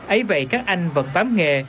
ây vậy các anh vẫn bám nghề